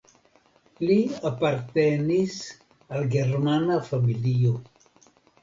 Li apartenis al germana familio.